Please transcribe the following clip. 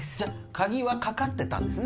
鍵はかかってたんですね